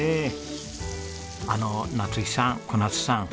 あのなつひさん小夏さん。